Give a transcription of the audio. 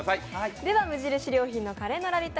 では、無印良品のカレーのラヴィット！